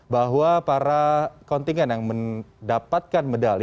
bahwa para kontingen yang mendapatkan medali